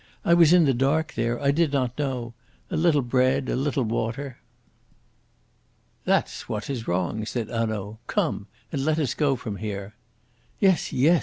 "I was in the dark there. I did not know. A little bread, a little water." "That's what is wrong," said Hanaud. "Come, let us go from here!" "Yes, yes!"